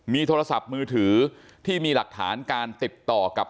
มีโทรศัพท์มือถือที่มีหลักฐานการติดต่อกับ